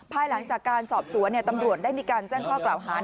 ภายหลังจากการสอบสวนตำรวจได้มีการแจ้งข้อกล่าวหา